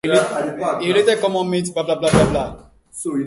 A related common meaning is crab meat.